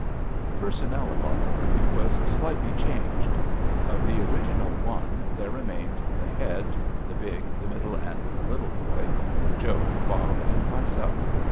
The personnel of our party was slightly changed. Of the original one, there remained the Head, the Big, the Middle, and the Little Boy, Joe, Bob, and myself.